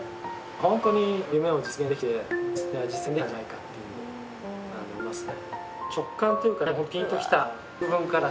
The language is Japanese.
ホントに夢を実現できて実現できたんじゃないかっていうふうに思いますね。